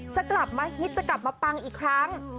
จะกลับมาฮิตจะกลับมาปังอีกครั้ง